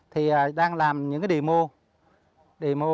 thì đang làm những cái demo